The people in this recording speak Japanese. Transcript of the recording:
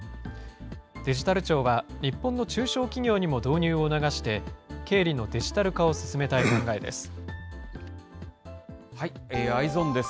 デジタル庁は、日本の中小企業にも導入を促して経理のデジタル化を進めたい考えです。